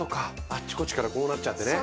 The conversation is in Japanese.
あっちこちからこうなっちゃってね。